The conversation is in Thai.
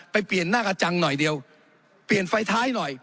เปลี่ยนหน้ากระจังหน่อยเดียวเปลี่ยนไฟท้ายหน่อย